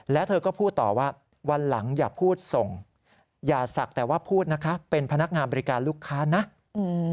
แล้วเธอก็พูดต่อว่าวันหลังอย่าพูดส่งอย่าศักดิ์แต่ว่าพูดนะคะเป็นพนักงานบริการลูกค้านะอืม